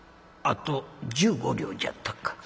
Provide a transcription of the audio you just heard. あと１５両じゃったか。